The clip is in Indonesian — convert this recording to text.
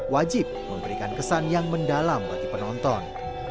wajib memberikan kesan yang mendalam bagi penonton